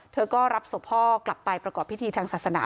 เธอก็รับศพพ่อกลับไปประกอบพิธีทางศาสนา